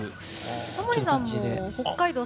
タモリさんも北海道